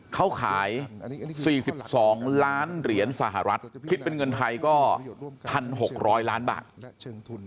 เขาขาย๔๒ล้านเหรียญสหรัฐคิดเป็นเงินไทยก็๑๖๐๐ล้านบาท